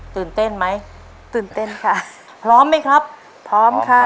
ตื่นเต้นไหมตื่นเต้นค่ะพร้อมไหมครับพร้อมค่ะ